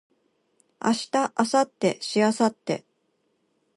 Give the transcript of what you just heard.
明日明後日しあさって